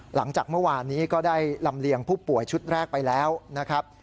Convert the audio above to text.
หลังจากเมื่อวานนี้ก็ได้ลำเลียงผู้ป่วยชุดแรกไปแล้วนะครับ